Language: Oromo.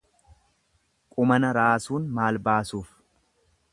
Qumana raasuun maal baasuuf.